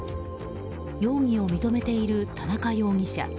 容疑を認めている田中容疑者。